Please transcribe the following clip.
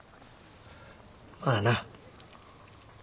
まあな。